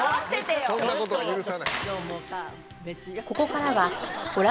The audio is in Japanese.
そんな事は許さない。